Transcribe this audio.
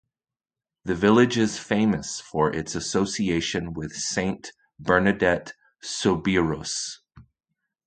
The village is famous for its association with Saint Bernadette Soubirous.